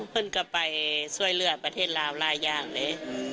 เพื่อนก็ไปช่วยเหลือประเทศลาวหลายอย่างเลย